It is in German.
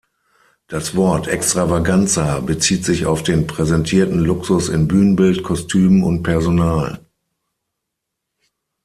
Das Wort Extravaganza bezieht sich auf den präsentierten Luxus in Bühnenbild, Kostümen und Personal.